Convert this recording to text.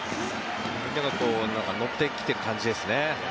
みんなが乗ってきている感じですね。